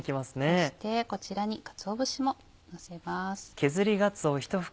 そしてこちらにかつお節ものせます。